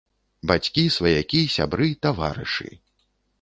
Бацькі, сваякі, сябры, таварышы.